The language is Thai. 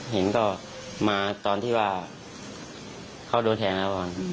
เห็นก็มาตอนที่ว่าเขาโดนแทงแล้ว